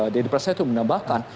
dedy prasetyo menambahkan